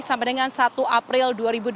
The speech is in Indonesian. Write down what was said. sampai dengan satu april dua ribu dua puluh tiga